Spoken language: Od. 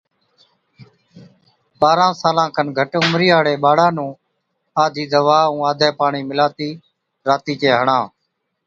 ٻارهان سالان کن گھٽ عمرِي هاڙي ٻاڙا نُون آڌِي دَوا ائُون آڌَي پاڻِي مِلاتِي راتِي چَي هڻا۔